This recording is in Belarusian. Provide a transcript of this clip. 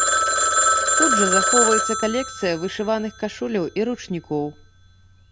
Тут жа захоўваецца калекцыя вышываных кашуляў і ручнікоў.